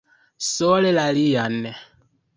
Sole la lian.